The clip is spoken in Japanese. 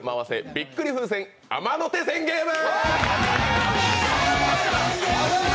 びっくり風船山手線ゲーム！！